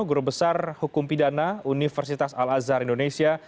guru besar hukum pidana universitas al azhar indonesia